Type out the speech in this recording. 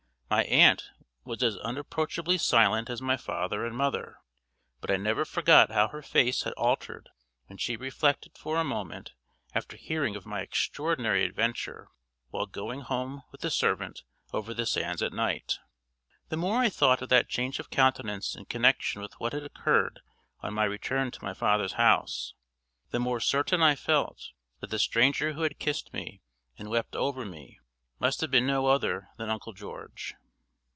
My aunt was as unapproachably silent as my father and mother; but I never forgot how her face had altered when she reflected for a moment after hearing of my extraordinary adventure while going home with the servant over the sands at night. The more I thought of that change of countenance in connection with what had occurred on my return to my father's house, the more certain I felt that the stranger who had kissed me and wept over me must have been no other than Uncle George.